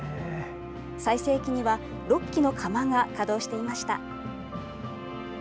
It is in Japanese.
最盛期には６基の窯が稼働していました。